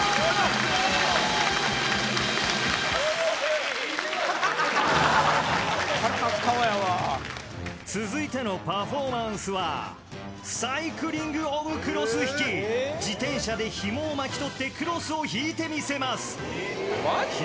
・すげえ腹立つ顔やわ続いてのパフォーマンスはサイクリングオブクロス引き自転車でひもを巻き取ってクロスを引いてみせますマジ？